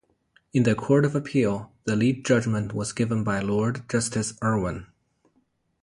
In the Court of Appeal the lead judgment was given by Lord Justice Irwin.